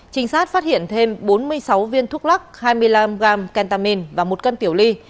trinh sát phát hiện thêm bốn mươi sáu viên thuốc lắc hai mươi năm g kentamin và một cân tiểu ly